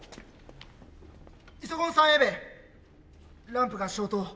イソコン３Ａ弁ランプが消灯。